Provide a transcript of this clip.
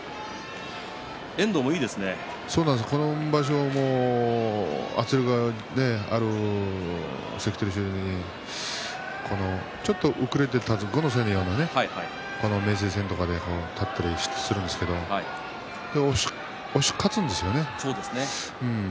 遠藤は今場所圧力がある関取衆にちょっと遅れて立つ後の先でね立ったりするんですけど押し勝つんですよね。